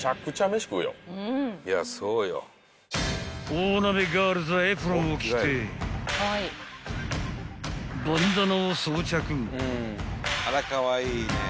［大鍋ガールズはエプロンを着てバンダナを装着］